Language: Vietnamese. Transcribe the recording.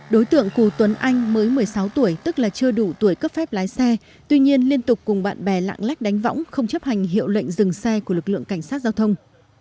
đối tượng cù tuấn anh mới một mươi sáu tuổi tức là chưa đủ tuổi cấp phép lái xe tuy nhiên liên tục cùng bạn bè lạng lách đánh võng không chấp hành hiệu lệnh dừng xe của lực lượng cảnh sát giao thông